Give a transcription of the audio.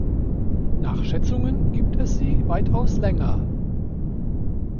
Nach Schätzungen gibt es sie weitaus länger.